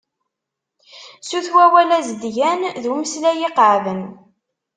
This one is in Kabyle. Sut wawal azedgan d umeslay iqeεden.